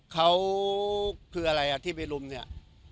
เขาคืออะไรอ่ะที่ไปรุมเนี่ย